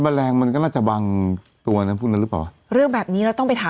มันมันมันมันมันมันมันมันมันมันมันมันมันมันมันมันมันมัน